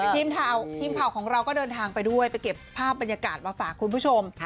ทีมข่าวของเราก็เดินทางไปด้วยไปเก็บภาพบรรยากาศมาฝากคุณผู้ชม